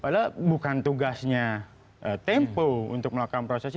padahal bukan tugasnya tempo untuk melakukan proses